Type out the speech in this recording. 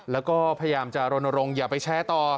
แล้วก็พยายามจะรณรงค์อย่าไปแชร์ต่อ